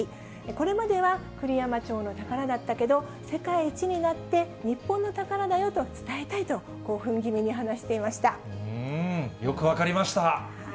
これまでは、栗山町の宝だったけど、世界一になって、日本の宝だよと伝えたいと、興奮気味に話しよく分かりました。